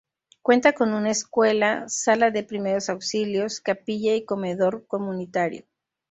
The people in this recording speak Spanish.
Cuenta con una escuela, sala de primeros auxilios, capilla y comedor comunitario.